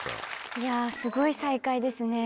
いやすごい再会ですね。